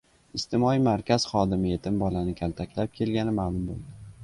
Ijtimoiy markaz xodimi yetim bolani kaltaklab kelgani ma’lum bo‘ldi